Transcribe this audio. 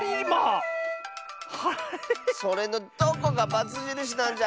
それのどこがバツじるしなんじゃ！